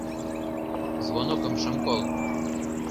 — Звонокым шым кол.